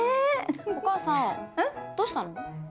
お母さんどうしたの？